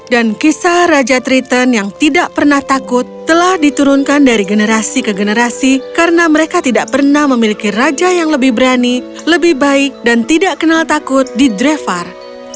dan kisah raja triton yang tidak pernah takut telah diturunkan dari generasi ke generasi karena mereka tidak pernah memiliki raja yang lebih berani lebih baik dan tidak kenal takut di drefar